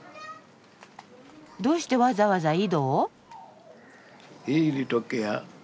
どうしてわざわざ井戸を？